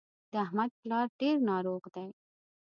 د احمد پلار ډېر ناروغ دی